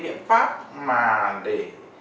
biện pháp mà để